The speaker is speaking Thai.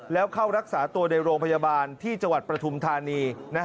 แล้วเข้ารักษาตัวในโรงพยาบาลที่จังหวัดปฐุมธานี